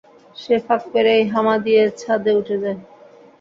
সে ফাঁক পেলেই হামা দিয়ে ছাদে উঠে যায়।